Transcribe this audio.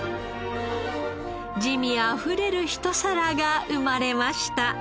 滋味あふれるひと皿が生まれました。